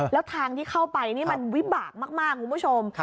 แล้วทางที่เข้าไปนี่มันวิบากมากคุณผู้ชม